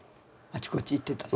あちこち行ってた。